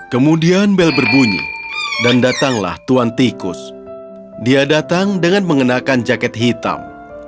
kemudian bel berbunyi dan datanglah tuan tikus dia datang dengan mengenakan jaket hitam